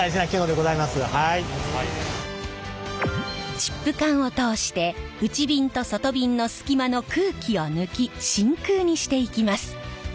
チップ管を通して内びんと外びんの隙間の空気を抜き真空にしていきます。